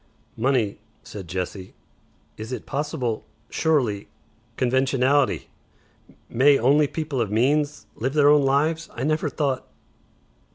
"Money," said Jessie. "Is it possible Surely! Conventionality! May only people of means Live their own Lives? I never thought